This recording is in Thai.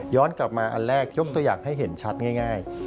กลับมาอันแรกยกตัวอย่างให้เห็นชัดง่าย